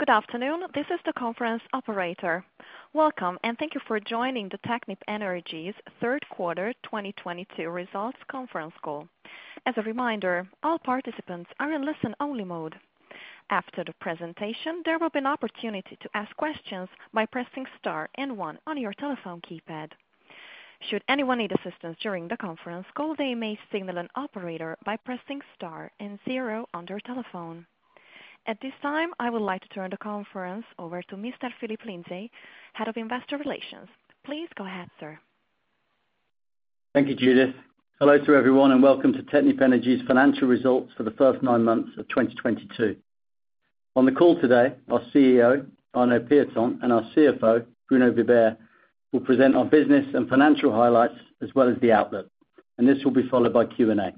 Good afternoon. This is the conference operator. Welcome, and thank you for joining the Technip Energies third quarter 2022 results conference call. As a reminder, all participants are in listen-only mode. After the presentation, there will be an opportunity to ask questions by pressing star and one on your telephone keypad. Should anyone need assistance during the conference call, they may signal an operator by pressing star and zero on their telephone. At this time, I would like to turn the conference over to Mr. Phillip Lindsay, Head of Investor Relations. Please go ahead, sir. Thank you, Judith. Hello to everyone, and welcome to Technip Energies financial results for the first 9 months of 2022. On the call today, our CEO, Arnaud Pieton, and our CFO, Bruno Vibert, will present our business and financial highlights as well as the outlook. This will be followed by Q&A.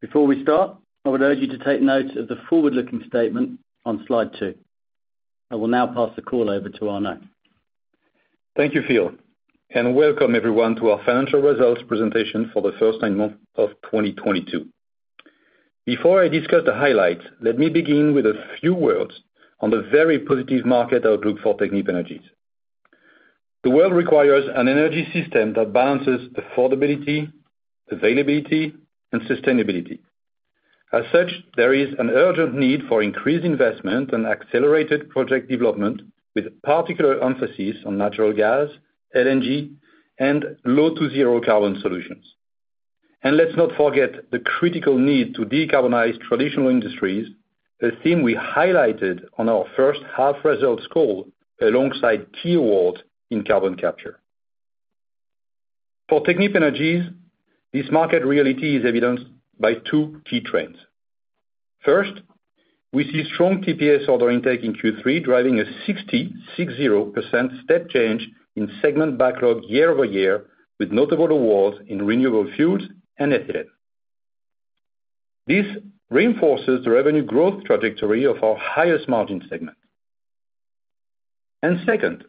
Before we start, I would urge you to take note of the forward-looking statement on slide 2. I will now pass the call over to Arnaud. Thank you, Phil, and welcome everyone to our financial results presentation for the first nine months of 2022. Before I discuss the highlights, let me begin with a few words on the very positive market outlook for Technip Energies. The world requires an energy system that balances affordability, availability, and sustainability. As such, there is an urgent need for increased investment and accelerated project development, with particular emphasis on natural gas, LNG, and low to zero carbon solutions. Let's not forget the critical need to decarbonize traditional industries, a theme we highlighted on our first half results call alongside key awards in carbon capture. For Technip Energies, this market reality is evidenced by two key trends. First, we see strong TPS order intake in Q3, driving a 66% step change in segment backlog year-over-year, with notable awards in renewable fuels and ethylene. This reinforces the revenue growth trajectory of our highest margin segment. Second,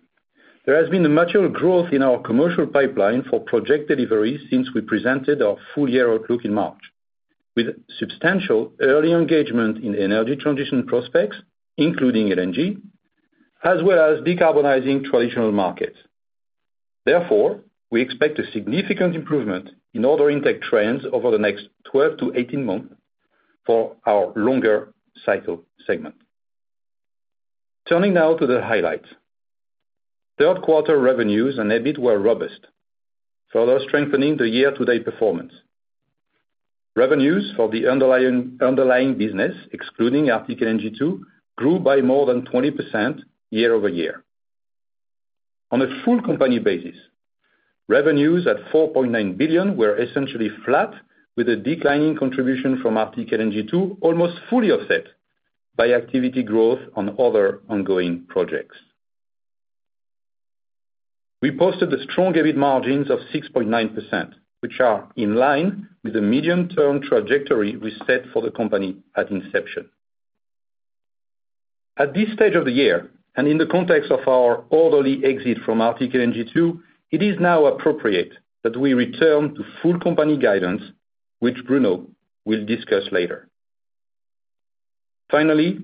there has been a material growth in our commercial pipeline for Project Delivery since we presented our full-year outlook in March, with substantial early engagement in energy transition prospects, including LNG, as well as decarbonizing traditional markets. Therefore, we expect a significant improvement in order intake trends over the next 12 months-18 months for our longer cycle segment. Turning now to the highlights. Third quarter revenues and EBIT were robust, further strengthening the year-to-date performance. Revenues for the underlying business, excluding Arctic LNG 2, grew by more than 20% year-over-year. On a full company basis, revenues at 4.9 billion were essentially flat, with a declining contribution from Arctic LNG 2 almost fully offset by activity growth on other ongoing projects. We posted the strong EBIT margins of 6.9%, which are in line with the medium-term trajectory we set for the company at inception. At this stage of the year, and in the context of our orderly exit from Arctic LNG 2, it is now appropriate that we return to full company guidance, which Bruno will discuss later. Finally,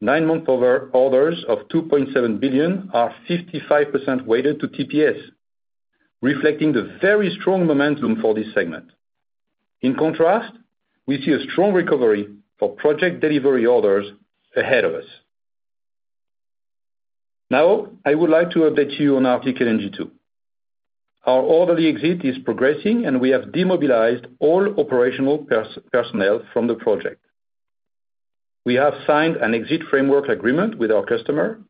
nine-month orders of 2.7 billion are 55% weighted to TPS, reflecting the very strong momentum for this segment. In contrast, we see a strong recovery for Project Delivery orders ahead of us. Now, I would like to update you on Arctic LNG 2. Our orderly exit is progressing, and we have demobilized all operational personnel from the project. We have signed an exit framework agreement with our customer,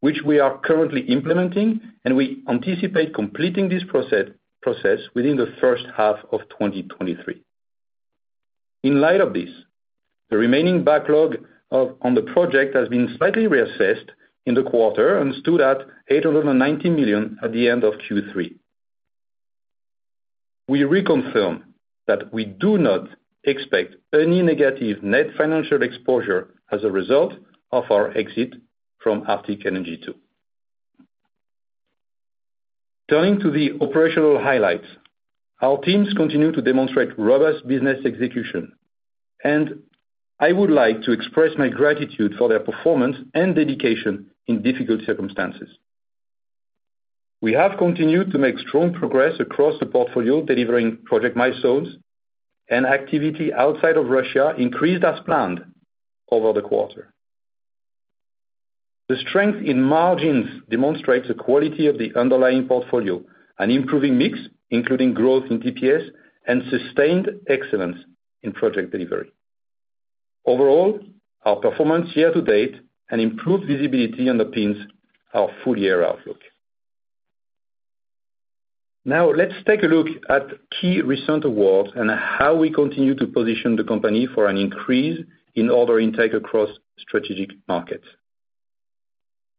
which we are currently implementing, and we anticipate completing this process within the first half of 2023. In light of this, the remaining backlog on the project has been slightly reassessed in the quarter and stood at 890 million at the end of Q3. We reconfirm that we do not expect any negative net financial exposure as a result of our exit from Arctic LNG 2. Turning to the operational highlights. Our teams continue to demonstrate robust business execution, and I would like to express my gratitude for their performance and dedication in difficult circumstances. We have continued to make strong progress across the portfolio, delivering project milestones, and activity outside of Russia increased as planned over the quarter. The strength in margins demonstrates the quality of the underlying portfolio, an improving mix, including growth in TPS, and sustained excellence in Project Delivery. Overall, our performance year to date and improved visibility underpins our full-year outlook. Now let's take a look at key recent awards and how we continue to position the company for an increase in order intake across strategic markets.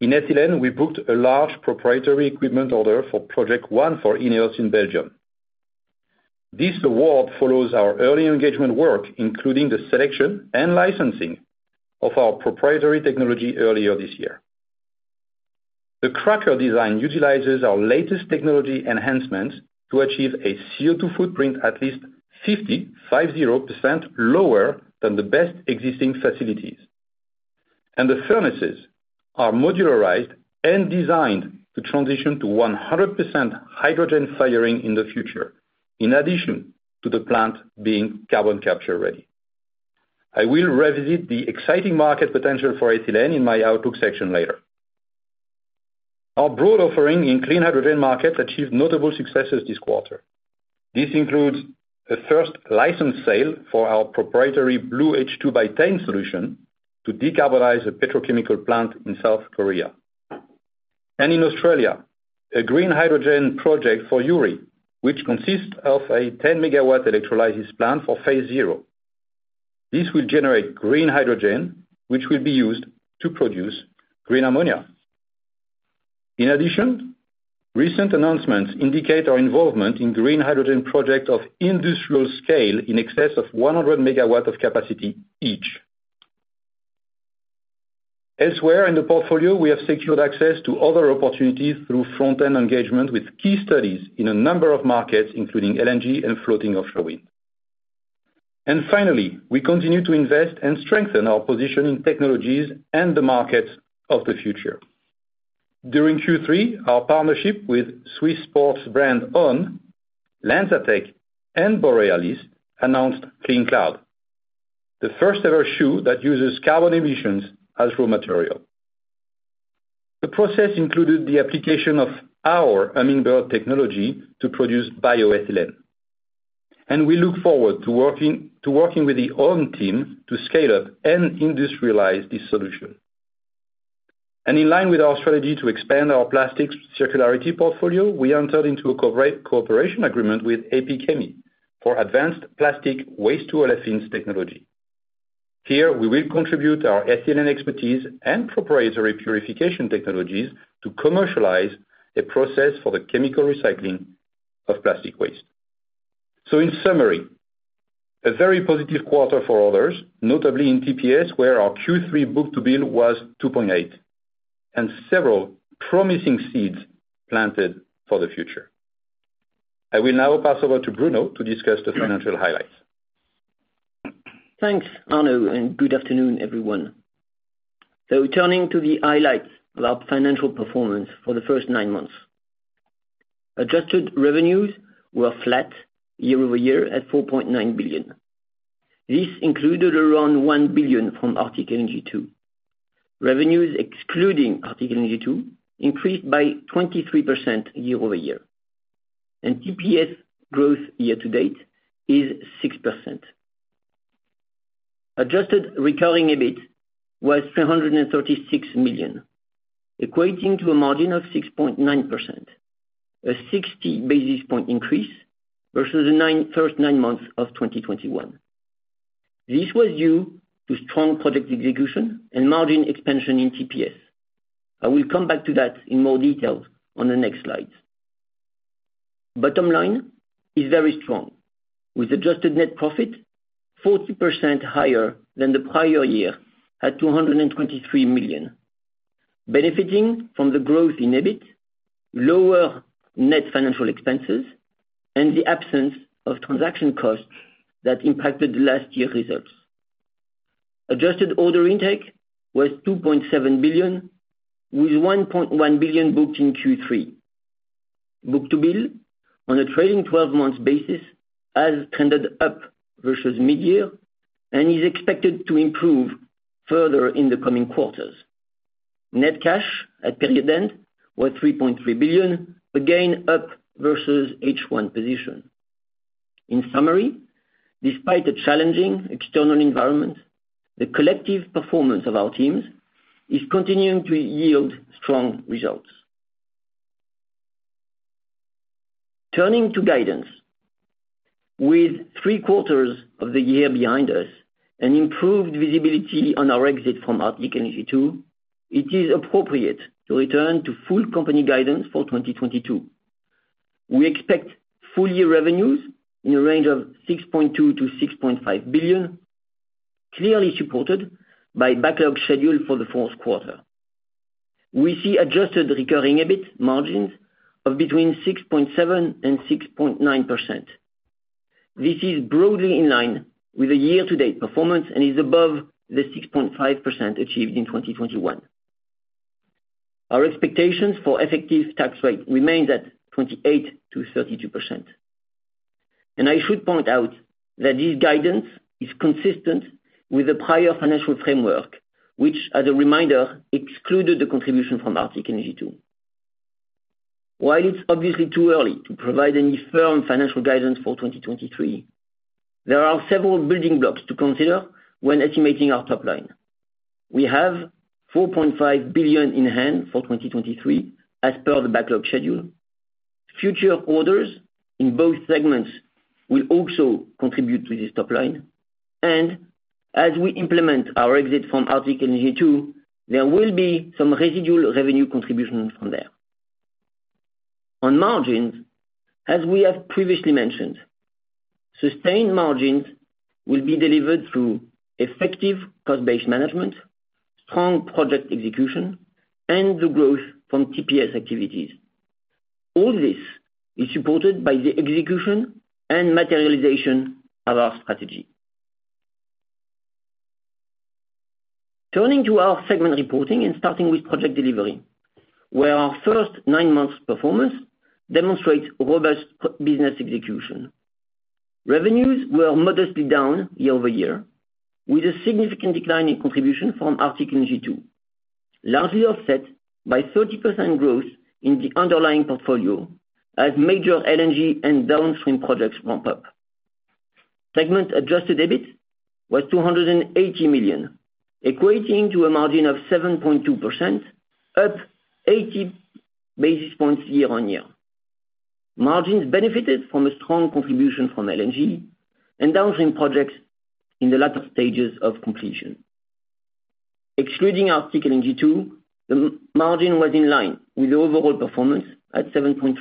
In ethylene, we booked a large proprietary equipment order for project one for INEOS in Belgium. This award follows our early engagement work, including the selection and licensing of our proprietary technology earlier this year. The cracker design utilizes our latest technology enhancements to achieve a CO2 footprint at least 55% lower than the best existing facilities. The furnaces are modularized and designed to transition to 100% hydrogen firing in the future, in addition to the plant being carbon capture ready. I will revisit the exciting market potential for ethylene in my outlook section later. Our broad offering in clean hydrogen market achieved notable successes this quarter. This includes the first license sale for our proprietary BlueH2 by T.EN solution to decarbonize a petrochemical plant in South Korea. In Australia, a green hydrogen project for Yuri, which consists of a 10 MW electrolysis plant for Phase Zero. This will generate green hydrogen, which will be used to produce green ammonia. In addition, recent announcements indicate our involvement in green hydrogen project of industrial scale in excess of 100 MW of capacity each. Elsewhere in the portfolio, we have secured access to other opportunities through front-end engagement with key studies in a number of markets, including LNG and floating offshore wind. Finally, we continue to invest and strengthen our position in technologies and the markets of the future. During Q3, our partnership with Swiss sports brand, On, LanzaTech and Borealis announced CleanCloud, the first ever shoe that uses carbon emissions as raw material. The process included the application of our Hummingbird technology to produce bioethylene. We look forward to working with the On team to scale up and industrialize this solution. In line with our strategy to expand our plastics circularity portfolio, we entered into a cooperation agreement with Agilyx for advanced plastic waste to olefins technology. Here, we will contribute our ethylene expertise and proprietary purification technologies to commercialize a process for the chemical recycling of plastic waste. In summary, a very positive quarter for others, notably in TPS, where our Q3 book to bill was 2.8, and several promising seeds planted for the future. I will now pass over to Bruno to discuss the financial highlights. Thanks, Arnaud, and good afternoon, everyone. Turning to the highlights of our financial performance for the first nine months. Adjusted revenues were flat year-over-year at 4.9 billion. This included around 1 billion from Arctic LNG 2. Revenues excluding Arctic LNG 2 increased by 23% year-over-year, and TPS growth year-to-date is 6%. Adjusted recurring EBIT was 336 million, equating to a margin of 6.9%, a 60 basis point increase versus the first nine months of 2021. This was due to strong product execution and margin expansion in TPS. I will come back to that in more detail on the next slide. Bottom line is very strong. With adjusted net profit 40% higher than the prior year at 223 million, benefiting from the growth in EBIT, lower net financial expenses, and the absence of transaction costs that impacted last year's results. Adjusted order intake was 2.7 billion, with 1.1 billion booked in Q3. Book to bill on a trailing 12 months basis has trended up versus mid-year and is expected to improve further in the coming quarters. Net cash at period end was 3.3 billion, again up versus H1 position. In summary, despite a challenging external environment, the collective performance of our teams is continuing to yield strong results. Turning to guidance, with three quarters of the year behind us and improved visibility on our exit from Arctic LNG 2, it is appropriate to return to full company guidance for 2022. We expect full-year revenues in a range of 6.2 billion-6.5 billion, clearly supported by backlog schedule for the fourth quarter. We see adjusted recurring EBIT margins of between 6.7% and 6.9%. This is broadly in line with the year-to-date performance and is above the 6.5% achieved in 2021. Our expectations for effective tax rate remains at 28%-32%. I should point out that this guidance is consistent with the prior financial framework, which, as a reminder, excluded the contribution from Arctic LNG 2. While it's obviously too early to provide any firm financial guidance for 2023, there are several building blocks to consider when estimating our top line. We have 4.5 billion in hand for 2023 as per the backlog schedule. Future orders in both segments will also contribute to this top line. As we implement our exit from Arctic LNG 2, there will be some residual revenue contribution from there. On margins, as we have previously mentioned, sustained margins will be delivered through effective cost-based management, strong project execution, and the growth from TPS activities. All this is supported by the execution and materialization of our strategy. Turning to our segment reporting and starting with project delivery, where our first nine months performance demonstrates robust business execution. Revenues were modestly down year-over-year, with a significant decline in contribution from Arctic LNG 2, largely offset by 30% growth in the underlying portfolio as major LNG and downstream projects ramp up. Segment adjusted EBIT was 280 million, equating to a margin of 7.2%, up 80 basis points year-over-year. Margins benefited from a strong contribution from LNG and downstream projects in the latter stages of completion. Excluding Arctic LNG 2, the margin was in line with the overall performance at 7.3%.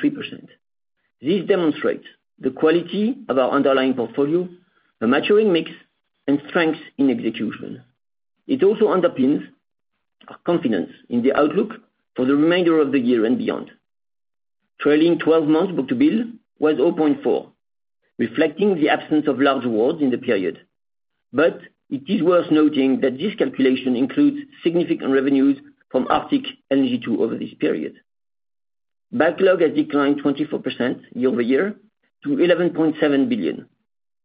This demonstrates the quality of our underlying portfolio, the maturing mix, and strength in execution. It also underpins our confidence in the outlook for the remainder of the year and beyond. Trailing 12-month book-to-bill was 0.4, reflecting the absence of large awards in the period. It is worth noting that this calculation includes significant revenues from Arctic LNG 2 over this period. Backlog has declined 24% year-over-year to 11.7 billion,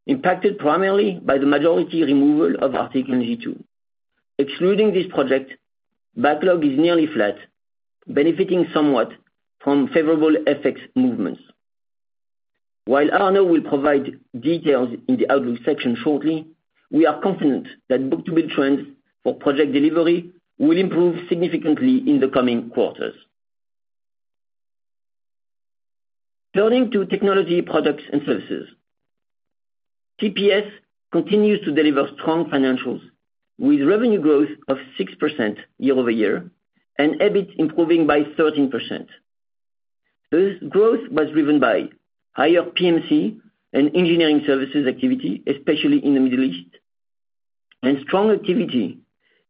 impacted primarily by the majority removal of Arctic LNG 2. Excluding this project, backlog is nearly flat, benefiting somewhat from favorable FX movements. While Arnaud will provide details in the outlook section shortly, we are confident that book-to-bill trends for Project Delivery will improve significantly in the coming quarters. Turning to technology products and services. TPS continues to deliver strong financials, with revenue growth of 6% year-over-year and EBIT improving by 13%. This growth was driven by higher PMC and engineering services activity, especially in the Middle East, and strong activity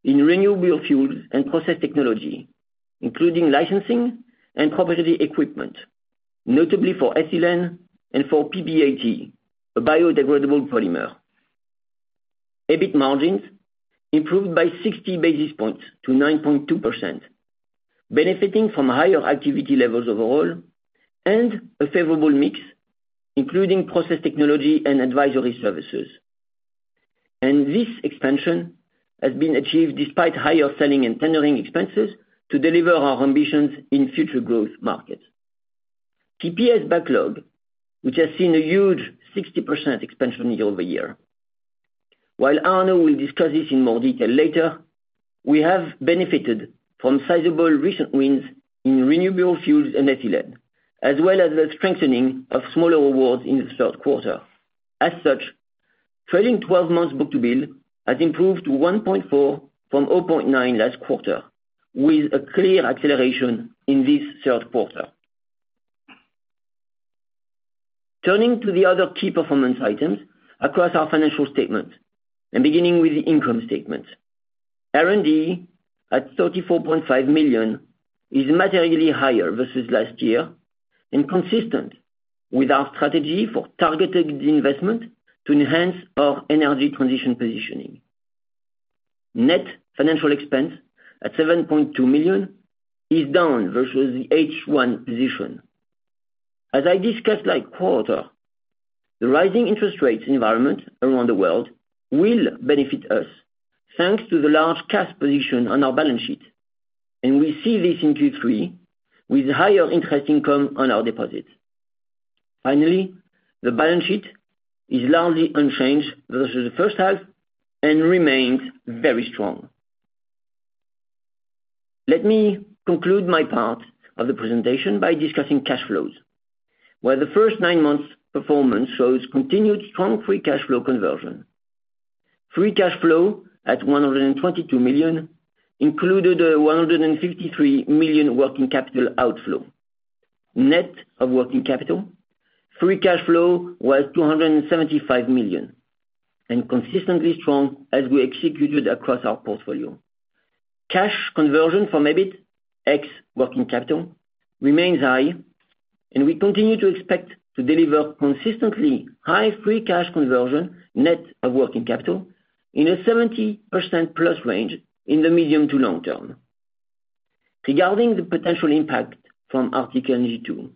in renewable fuels and process technology, including licensing and proprietary equipment, notably for ethylene and for PBAT, a biodegradable polymer. EBIT margins improved by 60 basis points to 9.2%, benefiting from higher activity levels overall and a favorable mix, including process technology and advisory services. This expansion has been achieved despite higher selling and tendering expenses to deliver our ambitions in future growth markets. TPS backlog, which has seen a huge 60% expansion year-over-year. While Arnaud will discuss this in more detail later, we have benefited from sizable recent wins in renewable fuels and ethylene, as well as the strengthening of smaller awards in the third quarter. As such, trailing 12 months book-to-bill has improved to 1.4 from 0.9 last quarter, with a clear acceleration in this third quarter. Turning to the other key performance items across our financial statement and beginning with the income statement. R&D at 34.5 million is materially higher versus last year and consistent with our strategy for targeted investment to enhance our energy transition positioning. Net financial expense at 7.2 million is down versus the H1 position. As I discussed last quarter, the rising interest rates environment around the world will benefit us thanks to the large cash position on our balance sheet, and we see this in Q3 with higher interest income on our deposits. Finally, the balance sheet is largely unchanged versus the first half and remains very strong. Let me conclude my part of the presentation by discussing cash flows, where the first nine months performance shows continued strong free cash flow conversion. Free cash flow at 122 million included a 153 million working capital outflow. Net of working capital, free cash flow was 275 million and consistently strong as we executed across our portfolio. Cash conversion from EBIT, ex working capital, remains high, and we continue to expect to deliver consistently high free cash conversion, net of working capital, in a 70%+ range in the medium to long-term. Regarding the potential impact from Arctic LNG 2,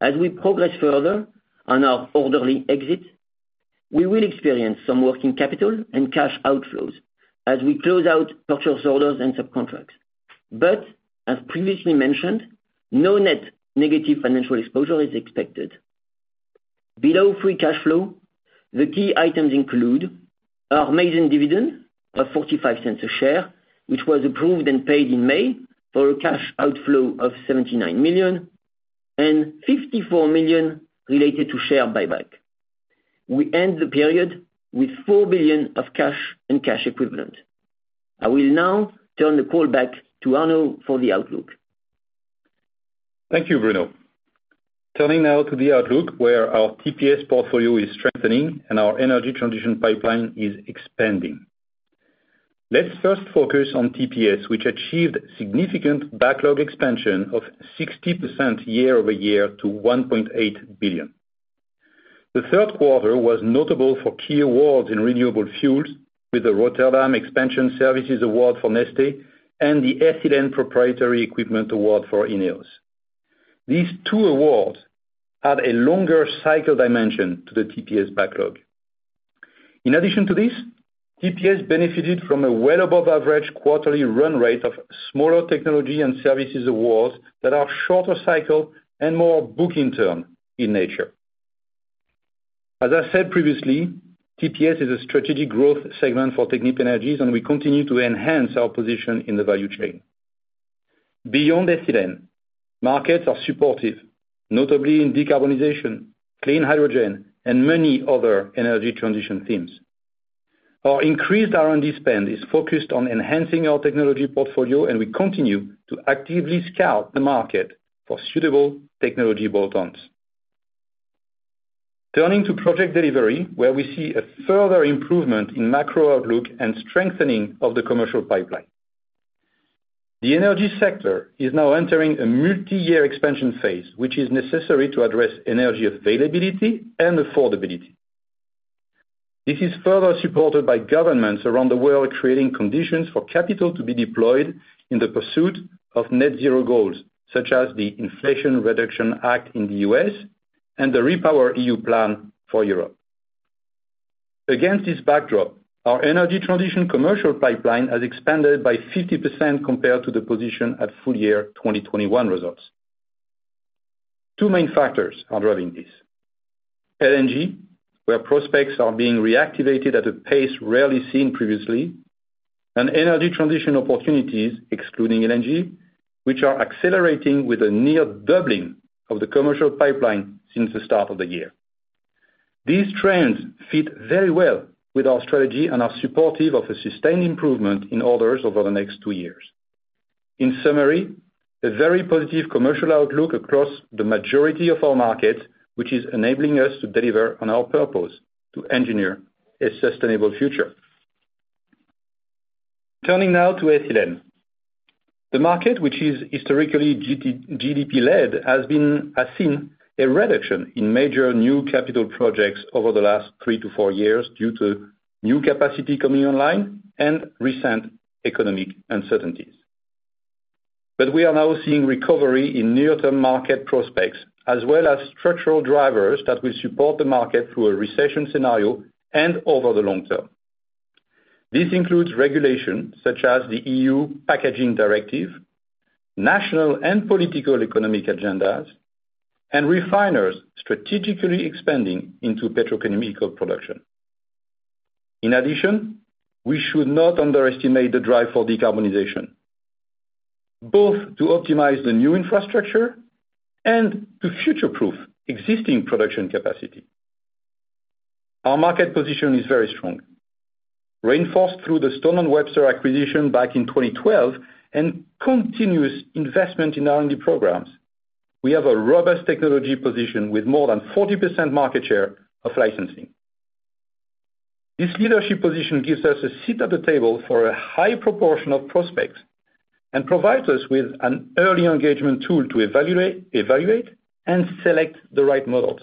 as we progress further on our orderly exit, we will experience some working capital and cash outflows as we close out purchase orders and subcontracts. As previously mentioned, no net negative financial exposure is expected. Below free cash flow, the key items include our maiden dividend of 0.45 a share, which was approved and paid in May for a cash outflow of 79 million and 54 million related to share buyback. We end the period with 4 billion of cash and cash equivalents. I will now turn the call back to Arnaud for the outlook. Thank you, Bruno. Turning now to the outlook where our TPS portfolio is strengthening and our energy transition pipeline is expanding. Let's first focus on TPS, which achieved significant backlog expansion of 60% year-over-year to 1.8 billion. The third quarter was notable for key awards in renewable fuels with the Rotterdam Expansion Services Award for Neste and the Ethylene Proprietary Equipment Award for INEOS. These two awards add a longer cycle dimension to the TPS backlog. In addition to this, TPS benefited from a well above average quarterly run rate of smaller technology and services awards that are shorter cycle and more book-and-turn in nature. As I said previously, TPS is a strategic growth segment for Technip Energies, and we continue to enhance our position in the value chain. Beyond ethylene, markets are supportive, notably in decarbonization, clean hydrogen, and many other energy transition themes. Our increased R&D spend is focused on enhancing our technology portfolio, and we continue to actively scout the market for suitable technology bolt-ons. Turning to project delivery, where we see a further improvement in macro outlook and strengthening of the commercial pipeline. The energy sector is now entering a multi-year expansion phase, which is necessary to address energy availability and affordability. This is further supported by governments around the world, creating conditions for capital to be deployed in the pursuit of net zero goals, such as the Inflation Reduction Act in The U.S. and the REPowerEU plan for Europe. Against this backdrop, our energy transition commercial pipeline has expanded by 50% compared to the position at full-year 2021 results. Two main factors are driving this. LNG, where prospects are being reactivated at a pace rarely seen previously, and energy transition opportunities, excluding LNG, which are accelerating with a near doubling of the commercial pipeline since the start of the year. These trends fit very well with our strategy and are supportive of a sustained improvement in orders over the next two years. In summary, a very positive commercial outlook across the majority of our market, which is enabling us to deliver on our purpose to engineer a sustainable future. Turning now to Ethylene. The market, which is historically greater-than-GDP led, has seen a reduction in major new capital projects over the last three to four years due to new capacity coming online and recent economic uncertainties. We are now seeing recovery in near-term market prospects, as well as structural drivers that will support the market through a recession scenario and over the long-term. This includes regulation such as The EU Packaging Directive, national and political economic agendas, and refiners strategically expanding into petrochemical production. In addition, we should not underestimate the drive for decarbonization, both to optimize the new infrastructure and to future-proof existing production capacity. Our market position is very strong. Reinforced through the Stone & Webster acquisition back in 2012 and continuous investment in R&D programs, we have a robust technology position with more than 40% market share of licensing. This leadership position gives us a seat at the table for a high proportion of prospects and provides us with an early engagement tool to evaluate and select the right models.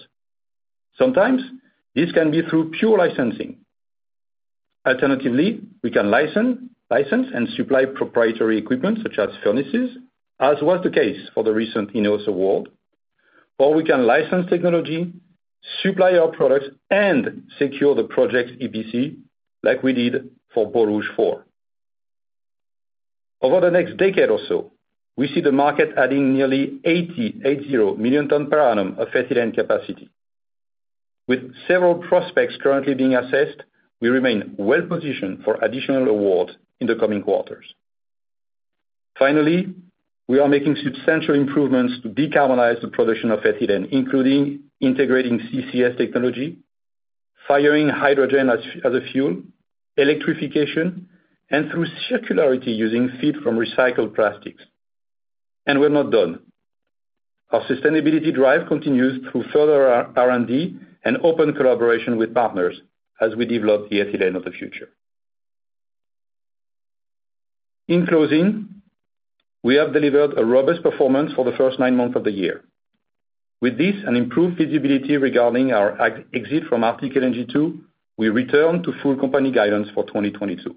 Sometimes this can be through pure licensing. Alternatively, we can license and supply proprietary equipment such as furnaces, as was the case for the recent INEOS award, or we can license technology, supply our products and secure the project EPC like we did for Borouge 4. Over the next decade or so, we see the market adding nearly 88 million ton per annum of ethylene capacity. With several prospects currently being assessed, we remain well-positioned for additional awards in the coming quarters. Finally, we are making substantial improvements to decarbonize the production of ethylene, including integrating CCS technology, firing hydrogen as a fuel, electrification, and through circularity using feed from recycled plastics. We're not done. Our sustainability drive continues through further R&D and open collaboration with partners as we develop the ethylene of the future. In closing, we have delivered a robust performance for the first nine months of the year. With this, an improved visibility regarding our exit from Arctic LNG 2, we return to full company guidance for 2022.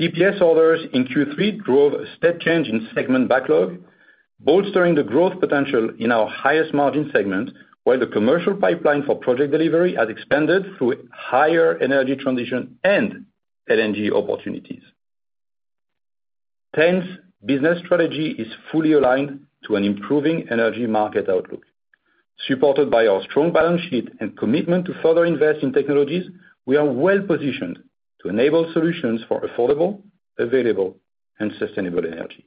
TPS orders in Q3 drove a step change in segment backlog, bolstering the growth potential in our highest margin segment, while the commercial pipeline for Project Delivery has expanded through higher energy transition and LNG opportunities. T.EN's business strategy is fully aligned to an improving energy market outlook. Supported by our strong balance sheet and commitment to further invest in technologies, we are well-positioned to enable solutions for affordable, available, and sustainable energy.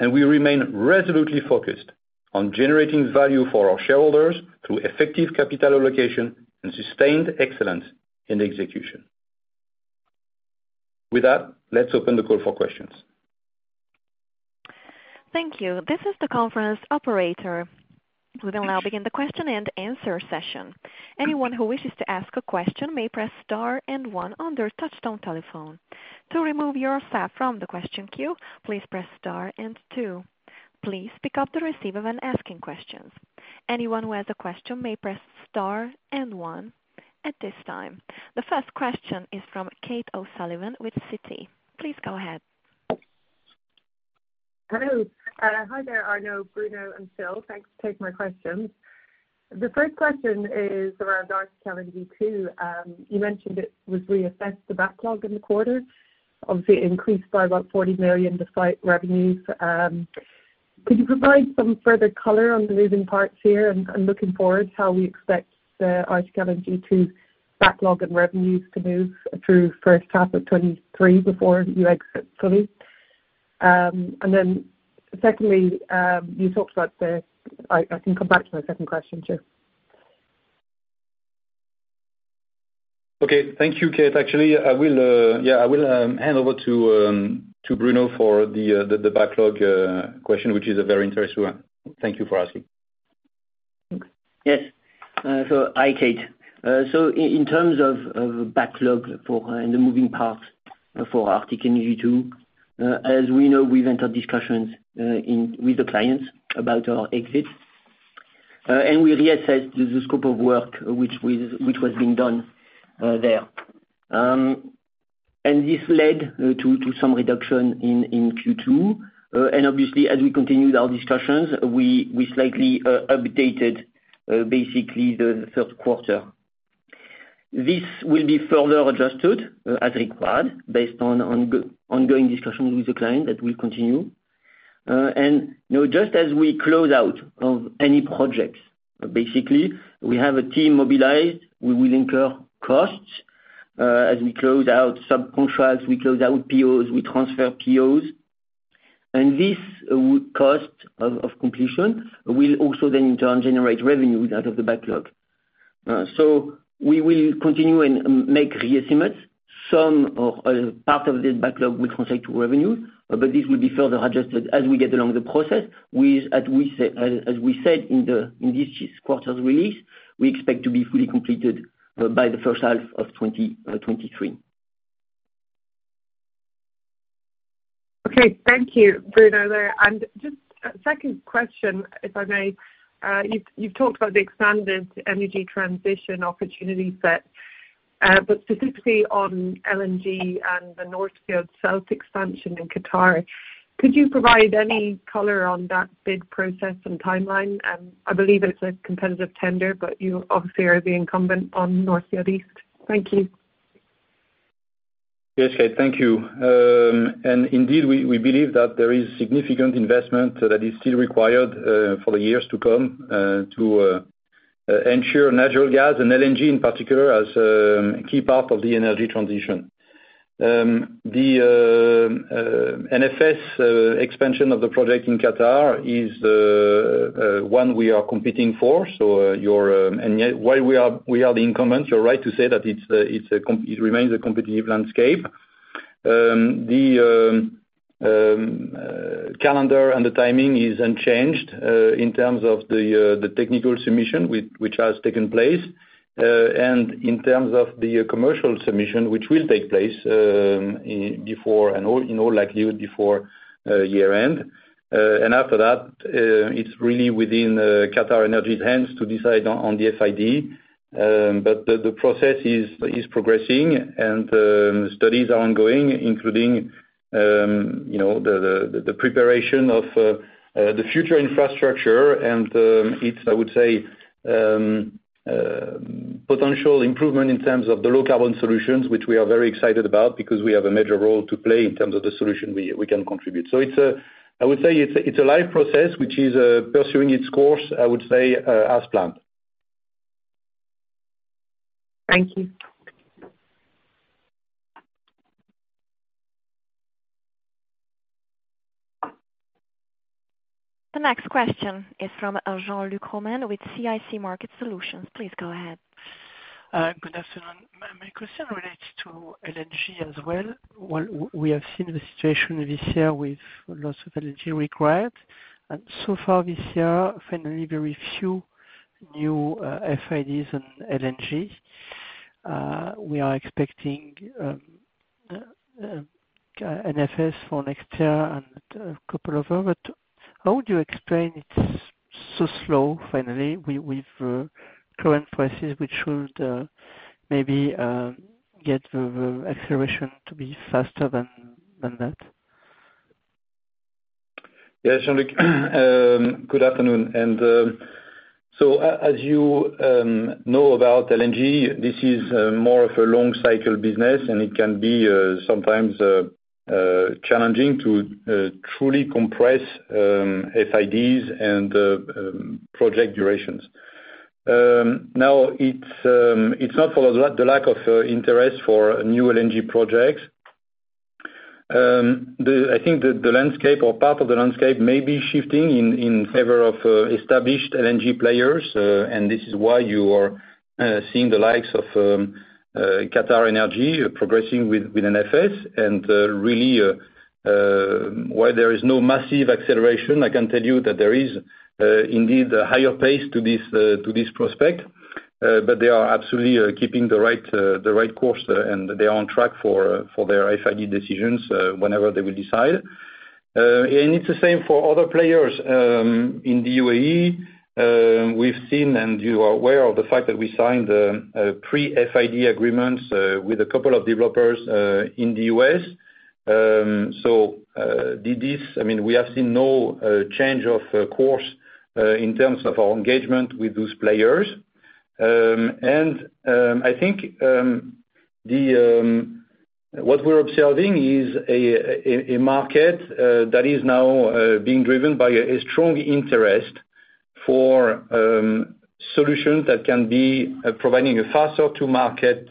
We remain resolutely focused on generating value for our shareholders through effective capital allocation and sustained excellence in execution. With that, let's open the call for questions. Thank you. This is the conference operator. We'll now begin the question and answer session. Anyone who wishes to ask a question may press star and one on their touchtone telephone. To remove yourself from the question queue, please press star and two. Please pick up the receiver when asking questions. Anyone who has a question may press star and one at this time. The first question is from Kate O'Sullivan with Citi. Please go ahead. Hello. Hi there, Arnaud, Bruno, and Phil. Thanks for taking my questions. The first question is around Arctic LNG 2. You mentioned it was reassessed the backlog in the quarter. Obviously, it increased by about 40 million despite revenues. Could you provide some further color on the moving parts here and looking forward how we expect Arctic LNG 2's backlog and revenues to move through first half of 2023 before you exit fully? Then secondly, I can come back to my second question too. Okay. Thank you, Kate. Actually, I will hand over to Bruno for the backlog question, which is a very interesting one. Thank you for asking. Yes. Hi, Kate. In terms of backlog for the moving parts for Arctic LNG 2, as we know, we've entered discussions with the clients about our exit. We reassessed the scope of work which was being done there. This led to some reduction in Q2. Obviously, as we continued our discussions, we slightly updated basically the third quarter. This will be further adjusted as required based on ongoing discussions with the client that will continue. You know, just as we close out of any projects, basically, we have a team mobilized. We will incur costs as we close out subcontracts, we close out POs, we transfer POs, and this cost of completion will also then in turn generate revenues out of the backlog. So we will continue and make reassessments. Some of part of this backlog will translate to revenue, but this will be further adjusted as we get along the process. As we said in this quarter's release, we expect to be fully completed by the first half of 2023. Okay. Thank you, Bruno. Just a second question, if I may. You've talked about the expanded energy transition opportunity set, but specifically on LNG and the North Field South expansion in Qatar. Could you provide any color on that bid process and timeline? I believe it's a competitive tender, but you obviously are the incumbent on North Field East. Thank you. Yes, Kate. Thank you. Indeed, we believe that there is significant investment that is still required for the years to come to ensure natural gas and LNG in particular as a key part of the energy transition. The NFS expansion of the project in Qatar is the one we are competing for. Yet, while we are the incumbent, you're right to say that it remains a competitive landscape. The calendar and the timing is unchanged in terms of the technical submission which has taken place and in terms of the commercial submission which will take place before and all, you know, likely before year-end. After that, it's really within QatarEnergy's hands to decide on the FID. The process is progressing, and studies are ongoing, including you know, the preparation of the future infrastructure. It's, I would say, potential improvement in terms of the low carbon solutions, which we are very excited about because we have a major role to play in terms of the solution we can contribute. It's a live process which is pursuing its course, I would say, as planned. Thank you. The next question is from Jean-Luc Romain with CIC Market Solutions. Please go ahead. Good afternoon. My question relates to LNG as well. Well, we have seen the situation this year with lots of LNG required, and so far this year, finally very few new FIDs and LNG. We are expecting NFS for next year and a couple of them, but how would you explain it's so slow finally with current prices which should maybe get the acceleration to be faster than that? Yeah, Jean-Luc. Good afternoon. As you know about LNG, this is more of a long cycle business, and it can be sometimes challenging to truly compress FIDs and project durations. Now it's not for the lack of interest for new LNG projects. I think the landscape or part of the landscape may be shifting in favor of established LNG players, and this is why you are seeing the likes of QatarEnergy progressing with an FS. Really, why there is no massive acceleration, I can tell you that there is indeed a higher pace to this prospect. They are absolutely keeping the right course and they are on track for their FID decisions whenever they will decide. It's the same for other players in the UAE. We've seen and you are aware of the fact that we signed pre-FID agreements with a couple of developers in The U.S.. I mean, we have seen no change of course in terms of our engagement with those players. I think what we're observing is a market that is now being driven by a strong interest for solutions that can be providing a faster to market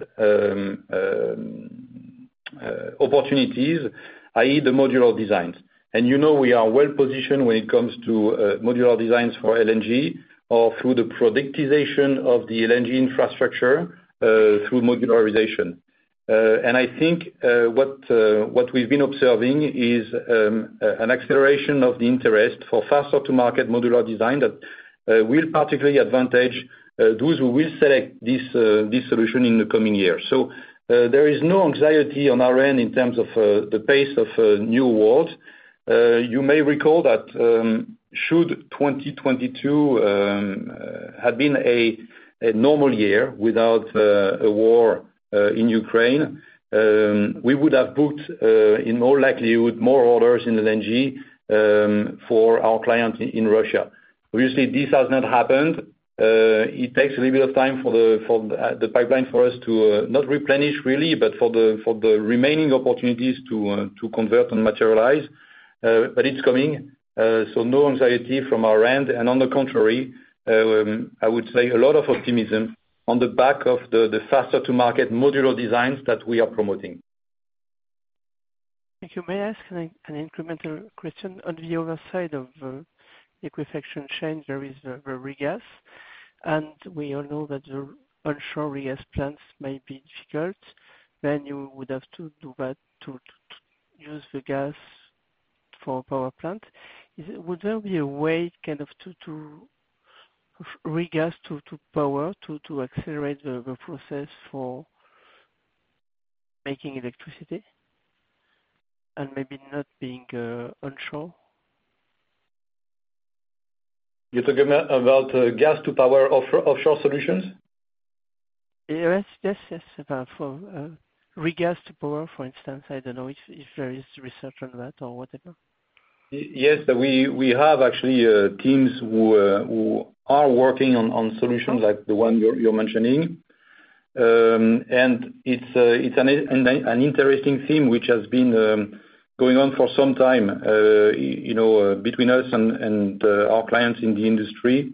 opportunities, i.e. the modular designs. You know we are well-positioned when it comes to modular designs for LNG or through the productization of the LNG infrastructure through modularization. I think what we've been observing is an acceleration of the interest for faster to market modular design that will particularly advantage those who will select this solution in the coming years. There is no anxiety on our end in terms of the pace of new awards. You may recall that should 2022 have been a normal year without a war in Ukraine we would have put in all likelihood more orders in LNG for our clients in Russia. Obviously, this has not happened. It takes a little bit of time for the pipeline for us to not replenish really, but for the remaining opportunities to convert and materialize. It's coming, so no anxiety from our end. On the contrary, I would say a lot of optimism on the back of the faster to market modular designs that we are promoting. Thank you. May I ask an incremental question? On the other side of liquefaction chain there is the regas, and we all know that the onshore regas plants may be difficult, then you would have to do that to use the gas for power plant. Would there be a way kind of to regas to power to accelerate the process for making electricity and maybe not being onshore? You're talking about gas to power offshore solutions? Yes. About for regas to power, for instance. I don't know if there is research on that or whatever. Yes. We have actually teams who are working on solutions like the one you're mentioning. It's an interesting theme which has been going on for some time, you know, between us and our clients in the industry.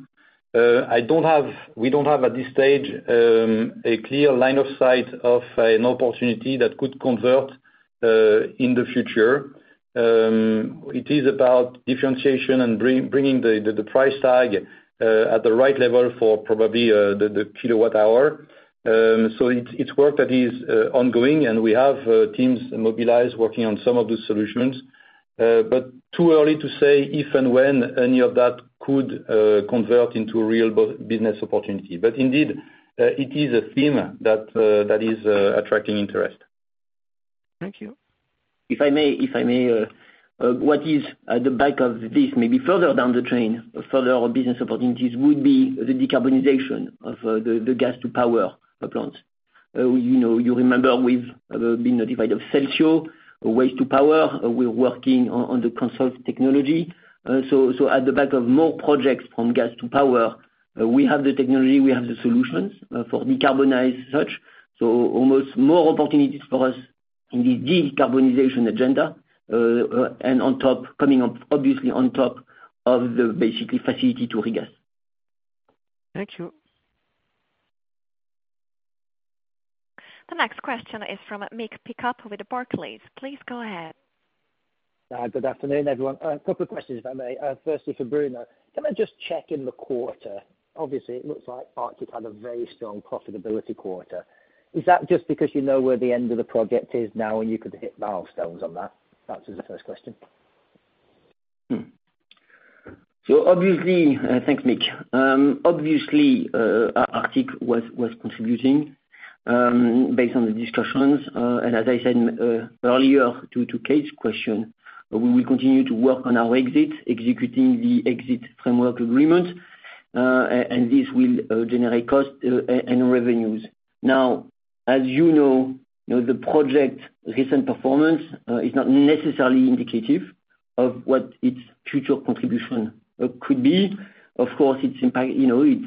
We don't have at this stage a clear line of sight of an opportunity that could convert in the future. It is about differentiation and bringing the price tag at the right level for probably the kilowatt hour. It's work that is ongoing and we have teams mobilized working on some of the solutions. Too early to say if and when any of that could convert into a real business opportunity. Indeed, it is a theme that is attracting interest. Thank you. If I may, what is at the back of this may be further down the train of further business opportunities would be the decarbonization of the gas to power plants. You know, you remember we've been notified of Celsio, a waste to power. We're working on the CANSOLV technology. At the back of more projects from gas to power, we have the technology, we have the solutions, for decarbonize such. Almost more opportunities for us in the decarbonization agenda. On top coming up obviously on top of the basically facility to regas. Thank you. The next question is from Mick Pickup with Barclays. Please go ahead. Good afternoon, everyone. A couple of questions, if I may. Firstly for Bruno. Can I just check in the quarter? Obviously, it looks like Arctic had a very strong profitability quarter. Is that just because you know where the end of the project is now and you could hit milestones on that? That's the first question. Obviously, thanks, Mick. Obviously, Arctic was contributing based on the discussions. As I said earlier to Kate's question, we will continue to work on our exit, executing the exit framework agreement, and this will generate cost and revenues. Now as you know, you know the project's recent performance is not necessarily indicative of what its future contribution could be. Of course, its impact, you know, it's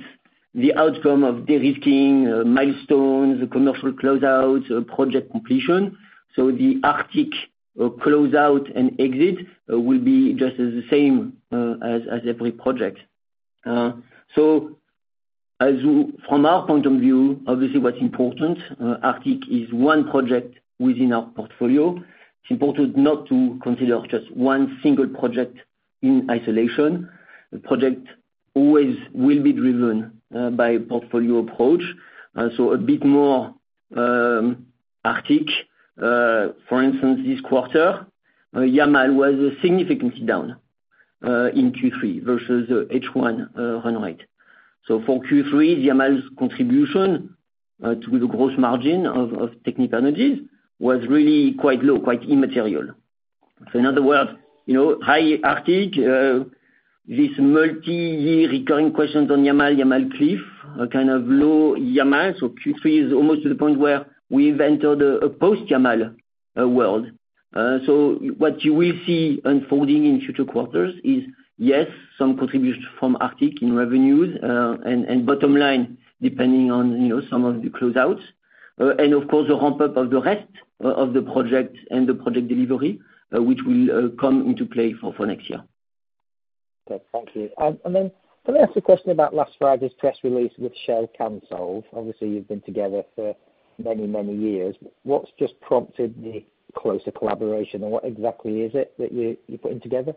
the outcome of de-risking milestones, commercial closeouts, project completion. The Arctic closeout and exit will be just the same as every project. From our point of view, obviously what's important, Arctic is one project within our portfolio. It's important not to consider just one single project in isolation. The project always will be driven by portfolio approach. A bit more Arctic, for instance, this quarter, Yamal was significantly down in Q3 versus H1 run rate. For Q3, Yamal's contribution to the gross margin of Technip Energies was really quite low, quite immaterial. In other words, you know, high Arctic this multi-year recurring questions on Yamal cliff, a kind of low Yamal. Q3 is almost to the point where we've entered a post Yamal world. What you will see unfolding in future quarters is, yes, some contribution from Arctic in revenues and bottom line, depending on, you know, some of the closeouts. Of course, the ramp-up of the rest of the project and the Project Delivery, which will come into play for next year. Okay. Thank you. Can I ask a question about last Friday's press release with Shell CANSOLV? Obviously, you've been together for many, many years. What's just prompted the closer collaboration, and what exactly is it that you're putting together?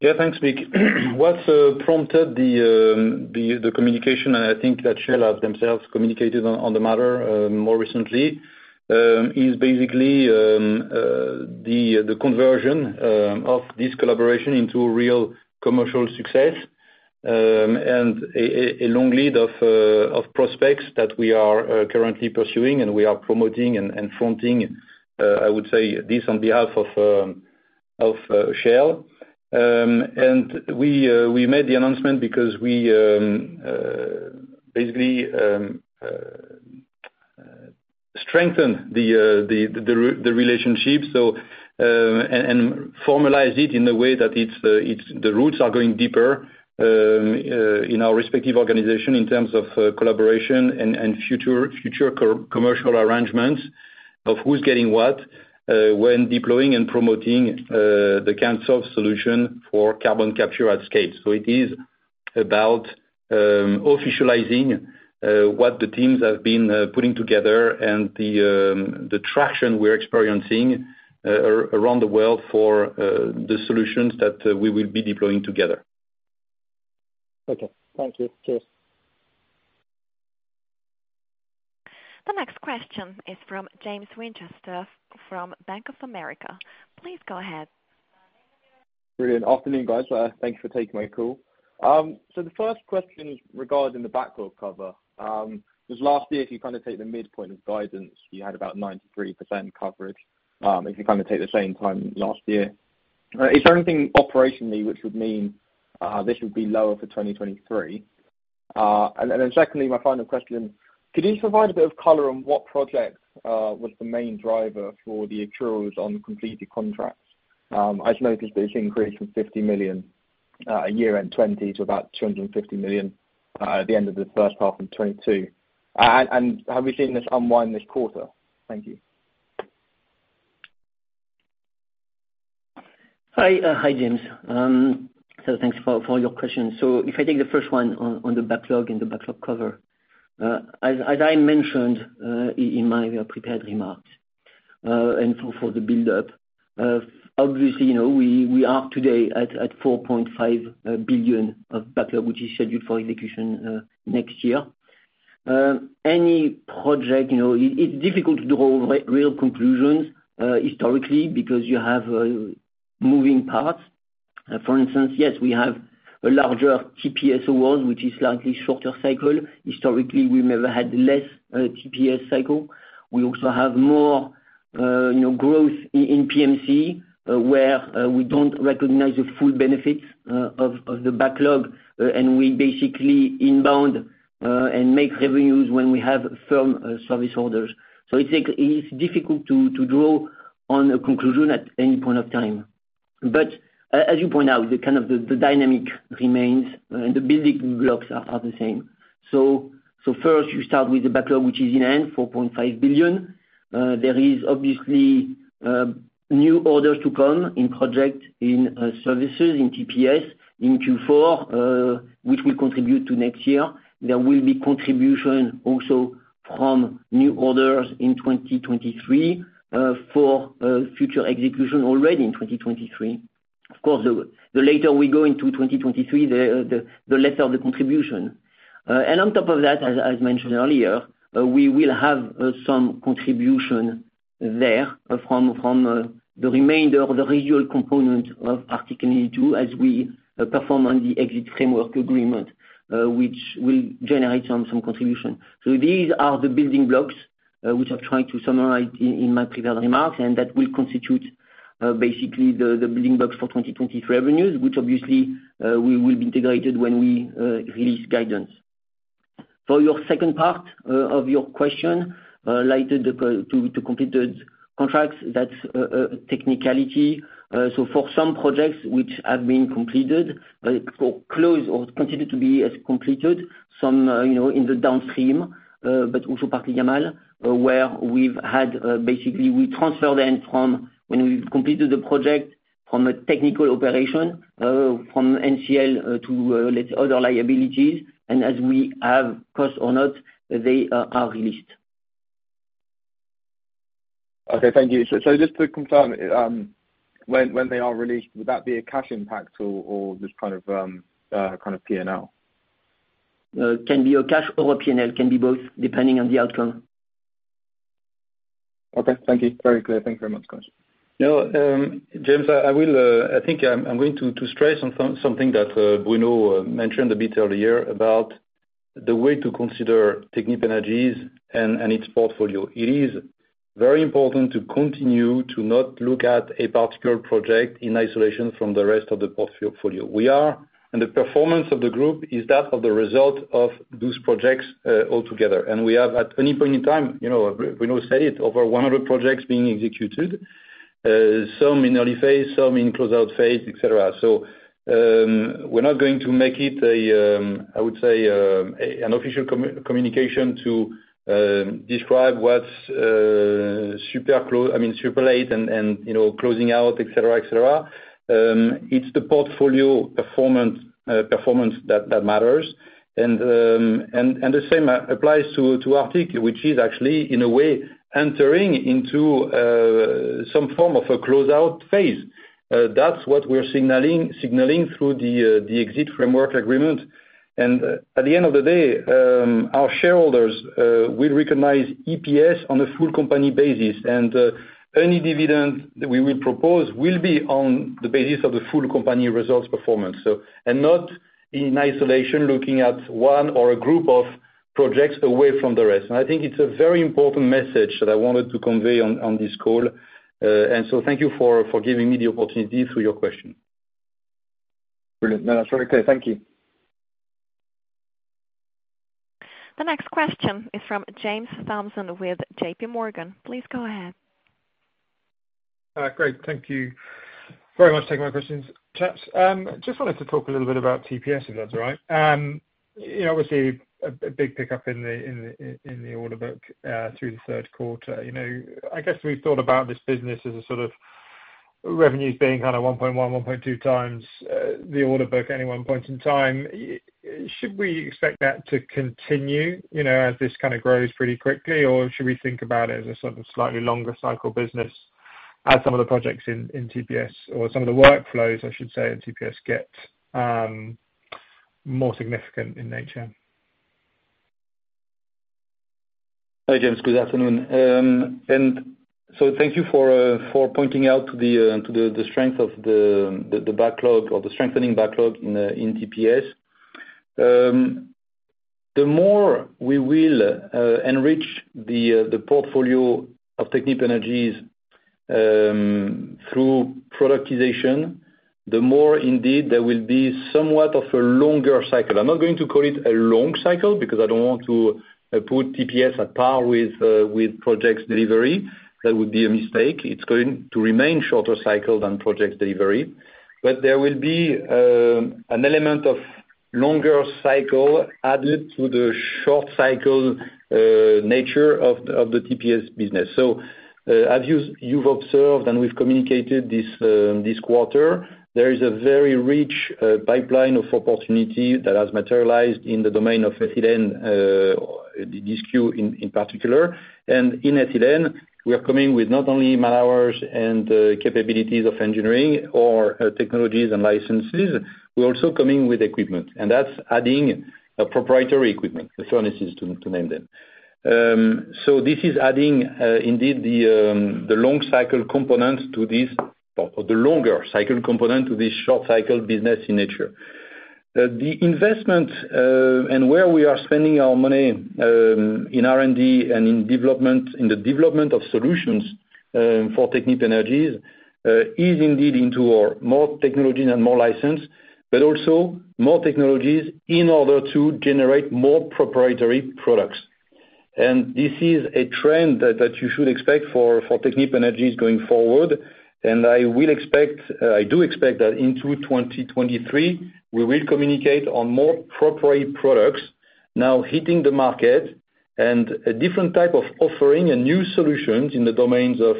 Yeah, thanks, Mick. What's prompted the communication, and I think that Shell have themselves communicated on the matter more recently, is basically the conversion of this collaboration into real commercial success. A long lead of prospects that we are currently pursuing, and we are promoting and fronting, I would say this on behalf of Shell. We made the announcement because we basically strengthen the relationship. Formalize it in a way that it's the roots are growing deeper in our respective organization in terms of collaboration and future co-commercial arrangements of who's getting what when deploying and promoting the CANSOLV solution for carbon capture at scale. It is about officializing what the teams have been putting together and the traction we're experiencing around the world for the solutions that we will be deploying together. Okay. Thank you. Cheers. The next question is from James Winchester, from Bank of America. Please go ahead. Brilliant. Afternoon, guys. Thank you for taking my call. The first question is regarding the backlog coverage. Just last year, if you kind of take the midpoint of guidance, you had about 93% coverage, if you kind of take the same time last year. Is there anything operationally which would mean this would be lower for 2023? And then secondly, my final question, could you provide a bit of color on what projects was the main driver for the accruals on completed contracts? I just noticed that it's increased from 50 million year-end 2020 to about 250 million at the end of the first half in 2022. And have we seen this unwind this quarter? Thank you. Hi, James. Thanks for your questions. If I take the first one on the backlog and the backlog cover. As I mentioned in my prepared remarks, and for the buildup, obviously, you know, we are today at 4.5 billion of backlog, which is scheduled for execution next year. Any project, you know, it's difficult to draw real conclusions historically because you have moving parts. For instance, yes, we have a larger TPS awards, which is slightly shorter cycle. Historically, we've never had less TPS cycle. We also have more, you know, growth in PMC, where we don't recognize the full benefits of the backlog, and we basically inbound and make revenues when we have firm service orders. It's like it is difficult to draw a conclusion at any point of time. As you point out, the kind of dynamic remains, and the building blocks are the same. First you start with the backlog, which is at year-end 4.5 billion. There is obviously new orders to come in projects in services in TPS in Q4, which will contribute to next year. There will be contribution also from new orders in 2023 for future execution already in 2023. Of course, the later we go into 2023, the lesser the contribution. On top of that, as mentioned earlier, we will have some contribution there from the remainder of the residual component of Arctic LNG 2 as we perform on the EPC framework agreement, which will generate some contribution. These are the building blocks which I've tried to summarize in my prepared remarks, and that will constitute basically the building blocks for 2023 revenues, which obviously we will be integrated when we release guidance. For your second part of your question related to completed contracts, that's a technicality. For some projects which have been completed or closed or continue to be as completed, some, you know, in the downstream, but also partly Yamal, where we've had, basically we transfer then from when we've completed the project. From net contract liabilities to other liabilities, and as we have costs or not, they are released. Okay, thank you. Just to confirm, when they are released, would that be a cash impact or just kind of a kind of P&L? Can be a cash or a P&L, can be both depending on the outcome. Okay. Thank you. Very clear. Thank you very much, Bruno Vibert. No, James, I think I'm going to stress on something that Bruno mentioned a bit earlier about the way to consider Technip Energies and its portfolio. It is very important to continue to not look at a particular project in isolation from the rest of the portfolio. We are, and the performance of the group is that of the result of those projects all together. We have, at any point in time, you know, Bruno said it, over 100 projects being executed. Some in early phase, some in close out phase, et cetera. We're not going to make it, I would say, an official communication to describe what's super late and, you know, closing out, et cetera. It's the portfolio performance that matters. The same applies to Arctic, which is actually in a way entering into some form of a closeout phase. That's what we're signaling through the exit framework agreement. At the end of the day, our shareholders will recognize EPS on a full company basis. Any dividend that we will propose will be on the basis of the full company results performance, not in isolation looking at one or a group of projects away from the rest. I think it's a very important message that I wanted to convey on this call. Thank you for giving me the opportunity through your question. Brilliant. No, that's very clear. Thank you. The next question is from James Thompson with JPMorgan. Please go ahead. Great. Thank you very much for taking my questions, chaps. Just wanted to talk a little bit about TPS, if that's all right. You know, obviously a big pickup in the order book through the third quarter. You know, I guess we've thought about this business as a sort of revenues being kind of 1.1.2x the order book at any one point in time. Should we expect that to continue, you know, as this kind of grows pretty quickly, or should we think about it as a sort of slightly longer cycle business as some of the projects in TPS or some of the workflows, I should say, in TPS get more significant in nature? Hi, James. Good afternoon. Thank you for pointing out the strength of the backlog or the strengthening backlog in TPS. The more we will enrich the portfolio of Technip Energies through productization, the more indeed there will be somewhat of a longer cycle. I'm not going to call it a long cycle because I don't want to put TPS at par with Project Delivery. That would be a mistake. It's going to remain shorter cycle than Project Delivery. There will be an element of longer cycle added to the short cycle nature of the TPS business. As you've observed, and we've communicated this quarter, there is a very rich pipeline of opportunity that has materialized in the domain of ethylene, DSK in particular. In ethylene, we are coming with not only man-hours and capabilities of engineering or technologies and licenses, we're also coming with equipment. That's adding a proprietary equipment, the furnaces to name them. This is adding indeed the long cycle components to this or the longer cycle component to this short cycle business in nature. The investment and where we are spending our money in R&D and in development, in the development of solutions for Technip Energies is indeed into more technology and more licensing, but also more technologies in order to generate more proprietary products. This is a trend that you should expect for Technip Energies going forward. I do expect that into 2023, we will communicate on more proprietary products now hitting the market and a different type of offering and new solutions in the domains of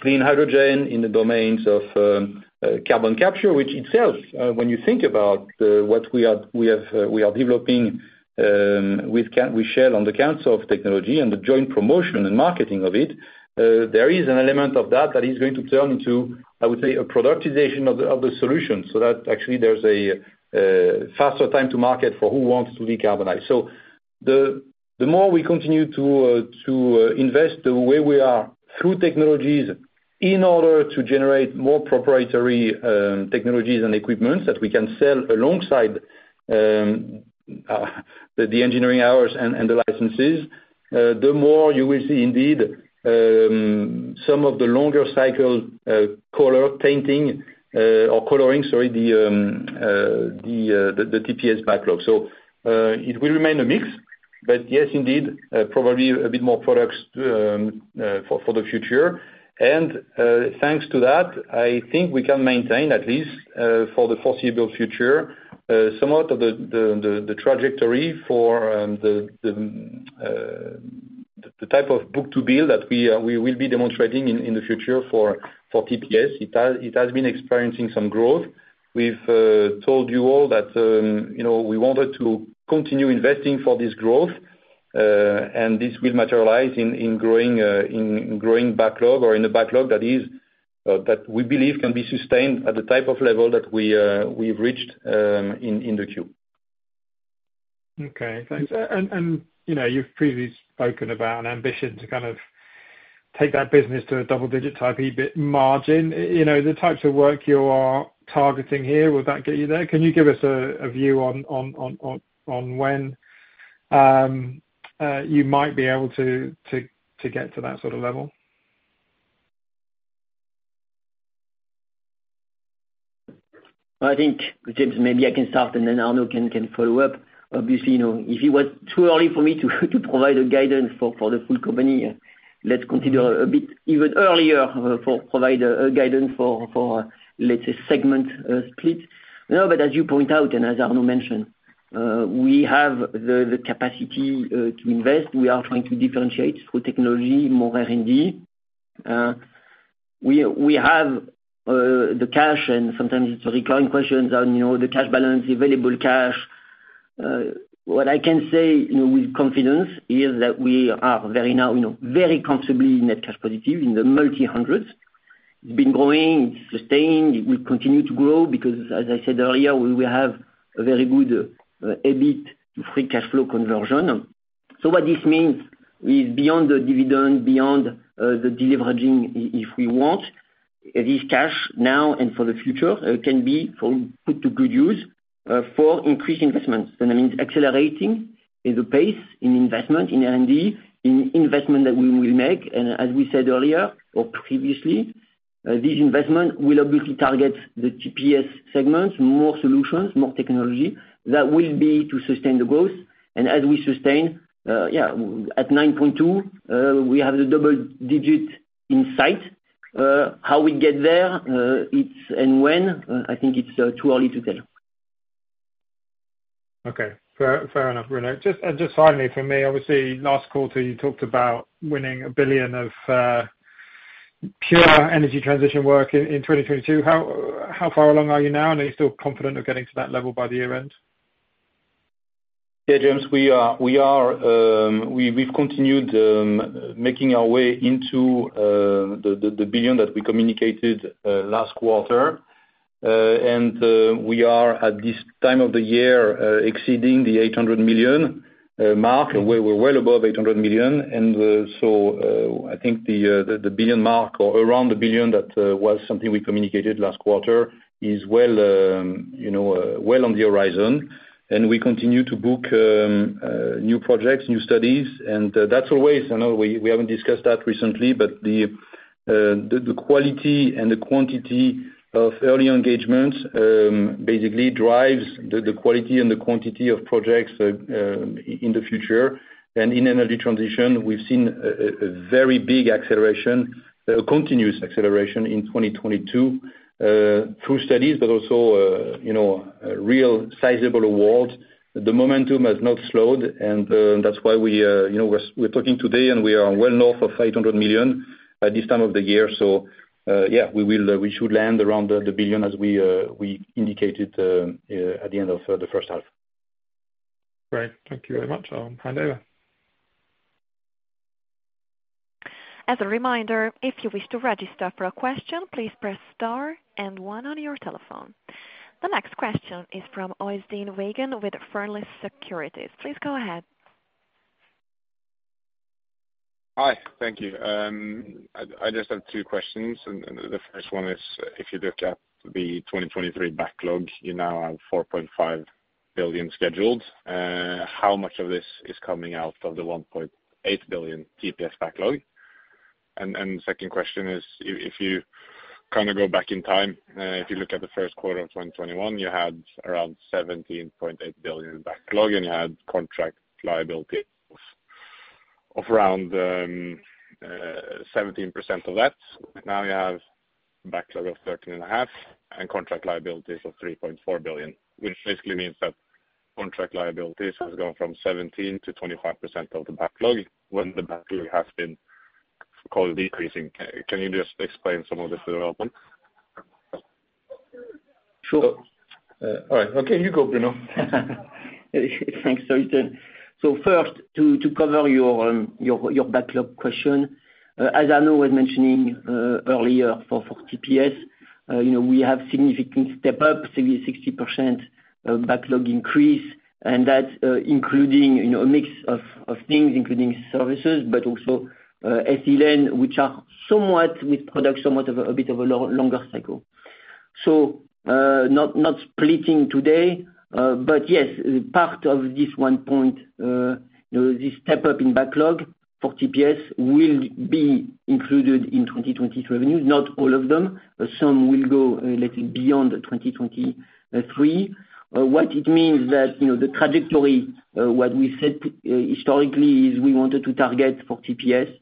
clean hydrogen, in the domains of carbon capture, which itself, when you think about what we are developing with Shell on the CANSOLV technology and the joint promotion and marketing of it, there is an element of that that is going to turn into, I would say, a productization of the solution so that actually there's a faster time to market for who wants to decarbonize. The more we continue to invest the way we are through technologies in order to generate more proprietary technologies and equipments that we can sell alongside the engineering hours and the licenses, the more you will see indeed some of the longer cycle TPS backlog. It will remain a mix, but yes, indeed, probably a bit more products for the future. Thanks to that, I think we can maintain at least for the foreseeable future somewhat of the trajectory for the type of book to bill that we will be demonstrating in the future for TPS. It has been experiencing some growth. We've told you all that, you know, we wanted to continue investing for this growth. This will materialize in growing backlog or in the backlog that we believe can be sustained at the type of level that we've reached in the queue. Okay, thanks. You know, you've previously spoken about an ambition to kind of take that business to a double digit type EBIT margin. You know, the types of work you are targeting here, would that get you there? Can you give us a view on when you might be able to get to that sort of level? I think, James, maybe I can start and then Arnaud can follow up. Obviously, if it was too early for me to provide a guidance for the full company, let's consider a bit even earlier to provide guidance for, let's say, segment split. No, as you point out, and as Arnaud mentioned, we have the capacity to invest. We are trying to differentiate through technology, more R&D. We have the cash, and sometimes it's recurring questions on the cash balance, the available cash. What I can say with confidence is that we are now very comfortably net cash positive in the multi-hundreds. It's been growing, it's sustained, it will continue to grow because as I said earlier, we will have a very good EBIT to free cash flow conversion. What this means is beyond the dividend, beyond the deleveraging, if we want, this cash now and for the future can be put to good use for increased investments. That means accelerating the pace in investment in R&D, in investment that we will make. As we said earlier or previously, this investment will obviously target the TPS segments, more solutions, more technology that will be to sustain the growth. As we sustain, yeah, at 9.2, we have the double digit in sight. How we get there and when, I think it's too early to tell. Okay. Fair enough, Bruno. Just finally from me, obviously last quarter you talked about winning a billion of pure energy transition work in 2022. How far along are you now? Are you still confident of getting to that level by the year-end? Yeah, James, we've continued making our way into the billion that we communicated last quarter. We are at this time of the year exceeding the 800 million mark. We're well above 800 million. I think the billion mark or around the billion that was something we communicated last quarter is well, you know, well on the horizon. We continue to book new projects, new studies, and that's always, I know we haven't discussed that recently, but the quality and the quantity of early engagements basically drives the quality and the quantity of projects in the future. In energy transition, we've seen a very big acceleration, a continuous acceleration in 2022, through studies, but also, you know, real sizable awards. The momentum has not slowed, and that's why we, you know, we're talking today and we are well north of 800 million at this time of the year. We should land around the billion as we indicated at the end of the first half. Great. Thank you very much. I'll hand over. As a reminder, if you wish to register for a question, please press star and one on your telephone. The next question is from Øystein Vaagen with Fearnley Securities. Please go ahead. Hi. Thank you. I just have two questions, and the first one is, if you look at the 2023 backlog, you now have 4.5 billion scheduled. How much of this is coming out of the 1.8 billion TPS backlog? And the second question is if you kind of go back in time, if you look at the first quarter of 2021, you had around 17.8 billion backlog, and you had contract liability of around 17% of that. Now you have backlog of 13.5 and contract liabilities of 3.4 billion, which basically means that contract liabilities has gone from 17% to 25% of the backlog when the backlog has been decreasing. Can you just explain some of this development? Sure. All right. Okay. You go, Bruno. Thanks, Øystein. First to cover your backlog question, as Arnaud was mentioning earlier for TPS, you know, we have significant step up, 60% backlog increase and that's including, you know, a mix of things, including services, but also SELN, which are somewhat with products, somewhat of a bit of a longer cycle. Not splitting today, but yes, part of this one point, you know, this step up in backlog for TPS will be included in 2023 revenues, not all of them. Some will go, let's say, beyond 2023. What it means that, you know, the trajectory, what we said historically is we wanted to target for TPS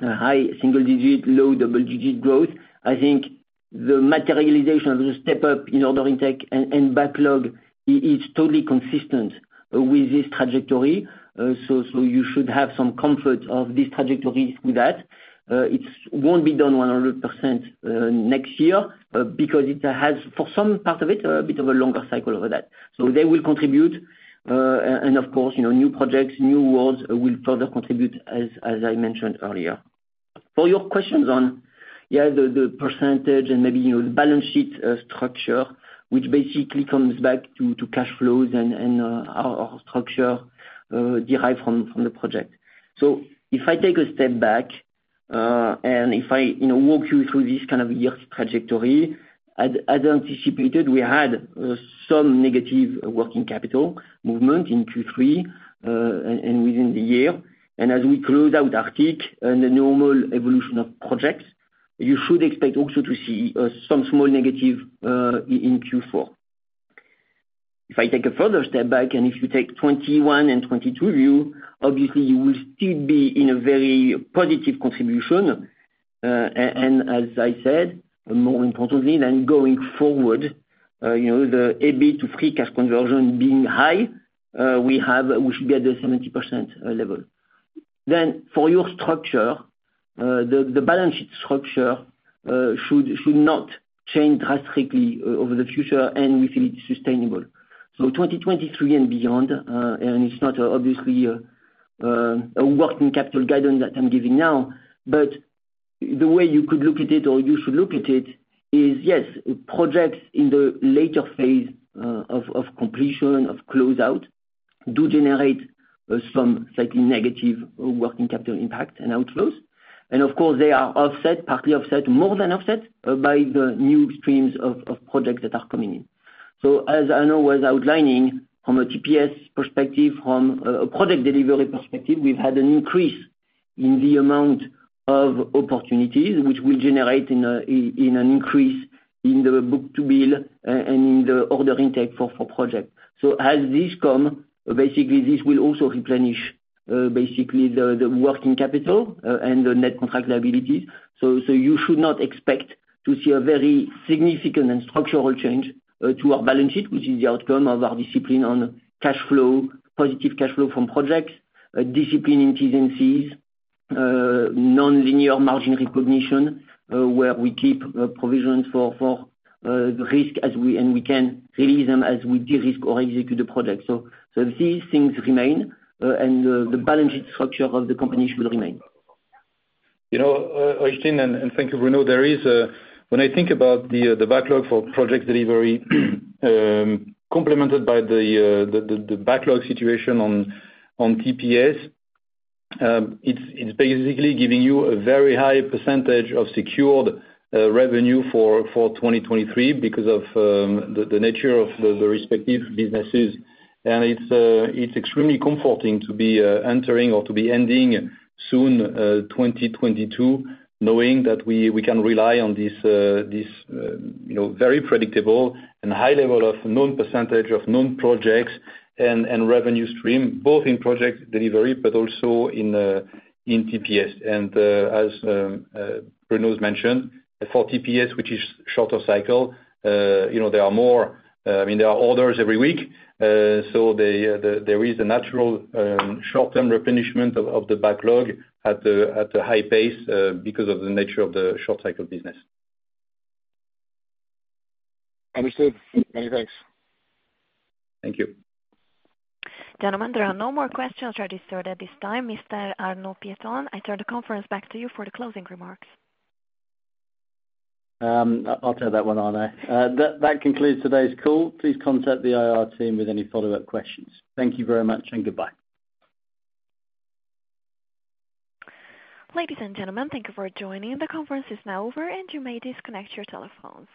high single digit, low double digit growth. I think the materialization of the step up in order intake and backlog is totally consistent with this trajectory. You should have some comfort of these trajectories with that. It won't be done 100% next year because it has, for some part of it, a bit of a longer cycle over that. They will contribute. Of course, you know, new projects, new awards will further contribute as I mentioned earlier. For your questions on the percentage and maybe, you know, the balance sheet structure, which basically comes back to cash flows and our structure derived from the project. If I take a step back, and if I, you know, walk you through this kind of year's trajectory, as anticipated, we had some negative working capital movement in Q3, and within the year. As we close out Arctic and the normal evolution of projects, you should expect also to see some small negative in Q4. If I take a further step back, and if you take 2021 and 2022 view, obviously you will still be in a very positive contribution. And as I said, more importantly, then going forward, you know, the EBIT to free cash conversion being high, we should be at the 70% level. For your structure, the balance sheet structure should not change drastically over the future, and we feel it's sustainable. 2023 and beyond, it's not obviously a working capital guidance that I'm giving now, but the way you could look at it or you should look at it is, yes, projects in the later phase of completion or closeout do generate some slightly negative working capital impact and outflows. Of course, they are offset, partly offset, more than offset by the new streams of projects that are coming in. As Arnaud was outlining from a TPS perspective, from a Project Delivery perspective, we've had an increase in the amount of opportunities which will generate in an increase in the book-to-bill and in the order intake for project. As this come, basically this will also replenish basically the working capital and the net contract liabilities. You should not expect to see a very significant and structural change to our balance sheet, which is the outcome of our discipline on cash flow, positive cash flow from projects, discipline in T&Cs, nonlinear margin recognition, where we keep provisions for risk and we can release them as we de-risk or execute the project. These things remain, and the balance sheet structure of the company will remain. You know, Øystein, and thank you, Bruno. There is, when I think about the backlog for Project Delivery, complemented by the backlog situation on TPS, it's basically giving you a very high percentage of secured revenue for 2023 because of the nature of the respective businesses. It's extremely comforting to be entering or to be ending soon 2022 knowing that we can rely on this, you know, very predictable and high level of known percentage of known projects and revenue stream, both in Project Delivery but also in TPS. As Bruno's mentioned, for TPS which is shorter cycle, you know, there are more, I mean, there are orders every week. There is a natural short-term replenishment of the backlog at a high pace because of the nature of the short cycle business. Understood. Many thanks. Thank you. Gentlemen, there are no more questions registered at this time. Mr. Arnaud Pieton, I turn the conference back to you for the closing remarks. I'll take that one, Arnaud. That concludes today's call. Please contact the IR team with any follow-up questions. Thank you very much and goodbye. Ladies and gentlemen, thank you for joining. The conference is now over, and you may disconnect your telephones.